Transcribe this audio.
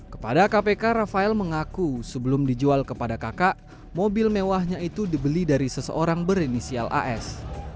kepada kpk rafael mengaku sebelum dijual kepada kakak mobil mewahnya itu dibeli dari seseorang berinisial as